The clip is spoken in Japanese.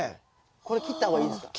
これ切った方がいいですか？